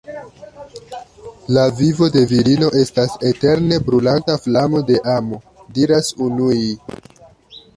La vivo de virino estas eterne brulanta flamo de amo, diras unuj.